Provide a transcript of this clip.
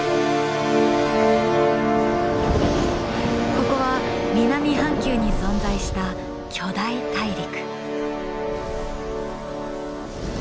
ここは南半球に存在した巨大大陸。